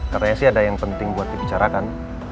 katanya sih ada yang penting buat dibicarakan